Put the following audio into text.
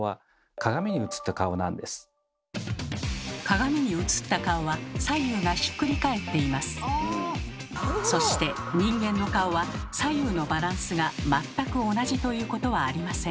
鏡にうつった顔はそして人間の顔は左右のバランスが全く同じということはありません。